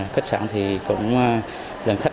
khách sạn cũng phục hồi lượng khách tám mươi chín mươi